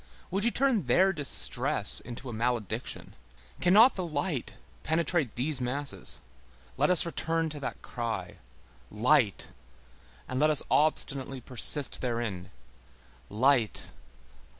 Would you turn their distress into a malediction? Cannot the light penetrate these masses? Let us return to that cry: Light! and let us obstinately persist therein! Light!